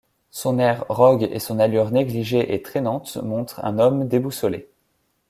Son air rogue et son allure négligée et trainante montrent un homme déboussolé.